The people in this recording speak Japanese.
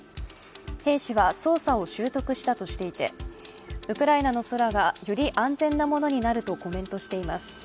兵士は操作を習得したとしていてウクライナの空がより安全なものになるとコメントしています。